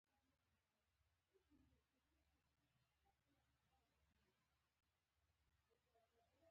هغه حجاز ته سفر کړی وو.